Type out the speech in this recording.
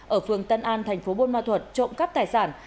ở phường tân an thành phố buôn ma thuật trộm cắt tài sản